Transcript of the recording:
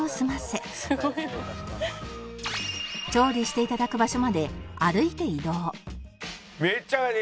調理していただく場所まで歩いて移動